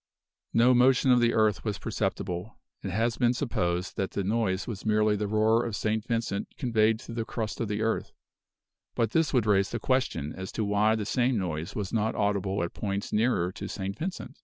No motion of the earth was perceptible. It has been supposed that the noise was merely the roar of St. Vincent conveyed through the crust of the earth; but this would raise the question as to why the same noise was not audible at points nearer to St. Vincent?